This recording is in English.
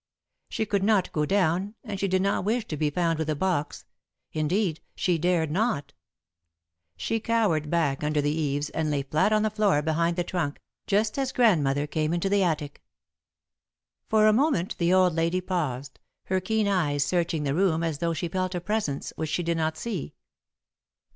She could not go down and she did not wish to be found with the box indeed, she dared not. She cowered back under the eaves and lay flat on the floor behind the trunk, just as Grandmother came into the attic. [Sidenote: Hidden Gold] For a moment the old lady paused, her keen eyes searching the room as though she felt a presence which she did not see.